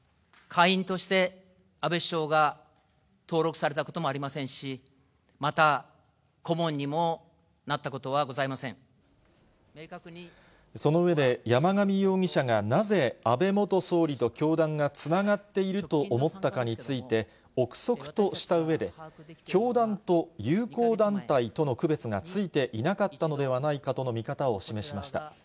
会員として安倍首相が登録されたこともありませんし、また、顧問にもなったことはございませその上で、山上容疑者がなぜ、安倍元総理と教団がつながっていると思ったかについて、臆測としたうえで、教団と友好団体との区別がついていなかったのではないかとの見方を示しました。